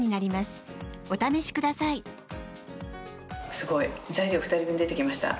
すごい、材料２人分出てきました。